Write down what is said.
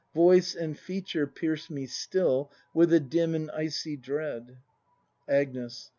] Voice and feature pierce me still With a dim and icy dread. Agnes.